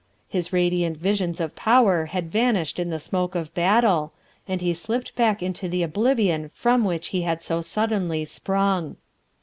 His radiant visions of power had vanished in the smoke of battle, and he slipped back into the oblivion from which he had so suddenly sprung.